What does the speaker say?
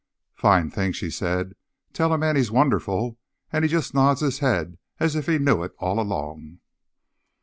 "Fine thing," she said. "Tell a man he's wonderful and he just nods his head as if he knew it all along."